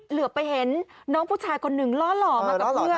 เหลือไปเห็นน้องผู้ชายคนหนึ่งล่อหล่อมากับเพื่อน